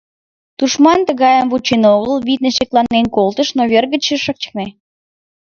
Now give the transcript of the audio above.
Тушман тыгайым вучен огыл, витне, шекланен колтыш, но вер гыч ыш чакне.